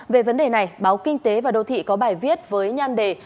về vấn đề này báo kinh tế và đô thị có bài viết với nhan đề